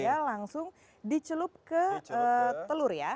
ini dia langsung dicelup ke telur ya